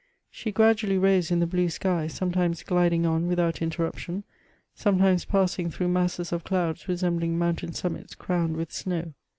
She gradually rose in the blue sky^ sometimes gliding on without interruption, sometimes passing through masses of clouds resembling mountain summits crowned with snow.